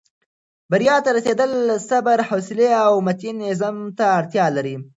بریا ته رسېدل صبر، حوصلې او متین عزم ته اړتیا لري.